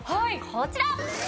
こちら！